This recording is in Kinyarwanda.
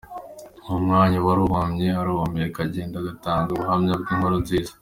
" Uwo mwanya uwari uhumye arahumuka agenda atanga ubuhamya bw’inkuru nziza.